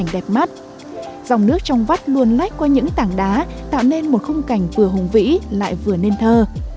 dòng nước trong vắt luôn lách qua những tảng đá tạo nên một khung cảnh vừa hùng vĩ lại vừa nên thơ